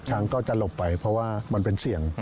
ช้างก็จะหลบไปเพราะว่ามันเป็นเสี่ยง